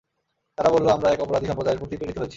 তারা বলল, আমরা এক অপরাধী সম্প্রদায়ের প্রতি প্রেরিত হয়েছি।